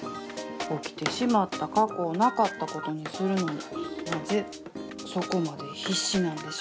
起きてしまった過去をなかったことにするのになぜそこまで必死なんでしょう。